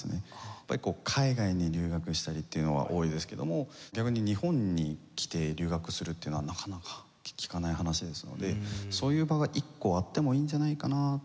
やっぱりこう海外に留学したりっていうのは多いですけども逆に日本に来て留学するっていうのはなかなか聞かない話ですのでそういう場が一個あってもいいんじゃないかなって。